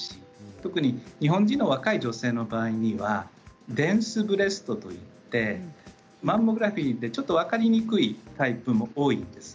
特に日本人の若い女性の場合はデンスブレストといってマンモグラフィーでちょっと分かりにくい場合も多いんです。